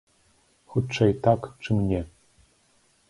Хутчэй так, чым не.